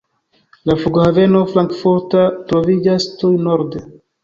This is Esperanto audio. La Flughaveno Frankfurta troviĝas tuj norde.